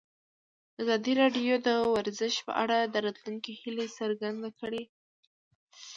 ازادي راډیو د ورزش په اړه د راتلونکي هیلې څرګندې کړې.